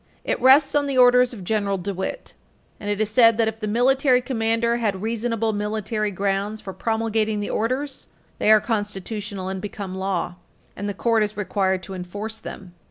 It rests on the orders of General DeWitt. And it is said that, if the military commander had reasonable military grounds for promulgating the orders, they are constitutional, and become law, and the Court is required to enforce them.